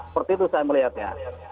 seperti itu saya melihatnya